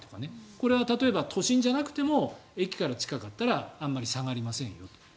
これは例えば都心じゃなくても駅から近かったらあまり下がりませんよと。